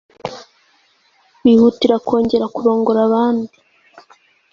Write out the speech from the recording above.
bihutira kongera kurongora abandi